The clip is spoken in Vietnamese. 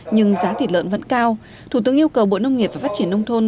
nhưng giá thịt lợn vẫn cao thủ tướng yêu cầu bộ nông nghiệp và phát triển nông thôn